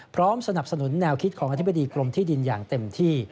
สนับสนุนแนวคิดของอธิบดีกรมที่ดินอย่างเต็มที่